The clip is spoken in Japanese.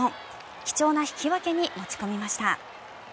貴重な引き分けに持ち込みました。